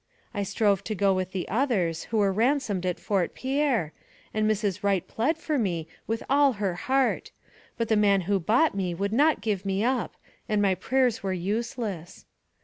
I strove to go with the others, who were ransomed at Fort Pierre, and Mrs. Wright plead for me with all her heart; but the man who bought me would not give me up, and my prayers were useless.